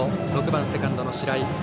６番セカンドの白井。